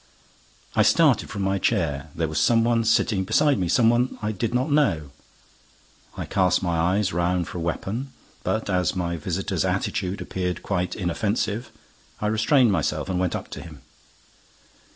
I started from my chair. There was some one sitting beside me, some one I did not know. I cast my eyes round for a weapon. But, as my visitor's attitude appeared quite inoffensive, I restrained myself and went up to him.